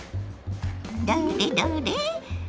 どれどれ？